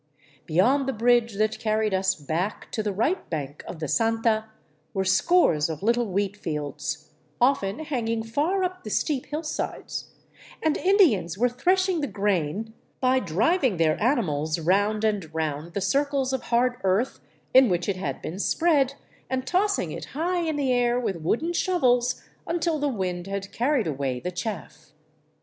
Beyond the bridge that carried us back to the right bank of the Santa were scores of little wheat fields, often hanging far up the steep hill sides; and Indians were threshing the grain by driving their animals round and round the circles of hard earth in which it had been spread, and tossing it high in the air with wooden shovels until the wind had carried away the chaff.